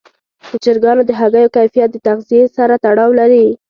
د چرګانو د هګیو کیفیت د تغذیې سره تړاو لري.